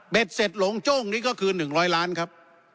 เสร็จหลงโจ้งนี้ก็คือ๑๐๐ล้านครับ